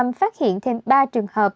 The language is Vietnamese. và hà nội phát hiện thêm ba trường hợp